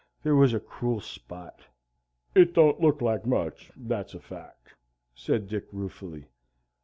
there was a cruel spot. "It don't look like much, that's a fact," said Dick, ruefully